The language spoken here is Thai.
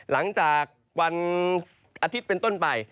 หลังจากวันอาทิตย์เป็นต้นไป